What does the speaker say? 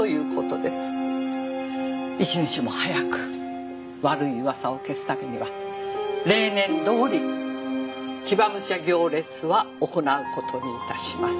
一日も早く悪い噂を消すためには例年どおり騎馬武者行列は行うことにいたします。